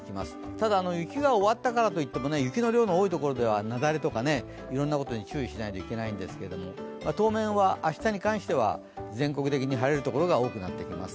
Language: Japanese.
ただ雪が終わったからといって雪の量の多い所は雪崩とかいろんなとこで注意しないといけないんですけど当面は明日に関しては全国的に晴れる所が多くなってきます。